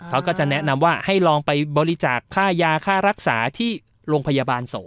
เขาก็จะแนะนำว่าให้ลองไปบริจาคค่ายาค่ารักษาที่โรงพยาบาลสงฆ